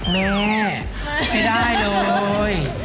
แม่ไม่ได้เลย